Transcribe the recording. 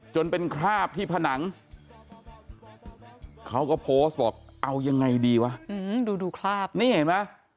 จนเป็นคราบที่ผนังเขาก็โพสต์บอกเอายังไงดีวะดูดูคราบนี่เห็นไหม